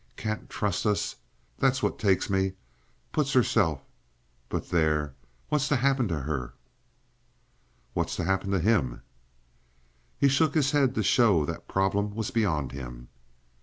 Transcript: Can't trust us, that's what takes me. Puts 'erself— But there! What's to happen to her?" "What's to happen to him?" He shook his head to show that problem was beyond him.